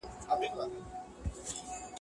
د عقل سوداګرو پکښي هر څه دي بایللي.